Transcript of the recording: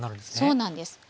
そうなんですはい。